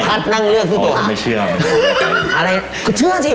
เราพัดนั่งเลือกทุกตัวไม่เชื่ออะไรก็เชื่อสิ